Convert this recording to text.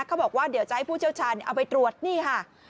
เขาบอกว่าเดี๋ยวจะให้ผู้เชี่ยวชาญเอาไปตรวจนี่ค่ะ